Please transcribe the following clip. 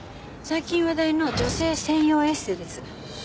最近話題の女性専用エステです。